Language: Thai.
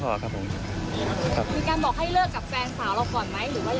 พูดคุยนิดหน่อยก็พอครับผมครับมีการบอกให้เลิกกับแฟนสาวเราก่อนไหมหรือว่ายังไง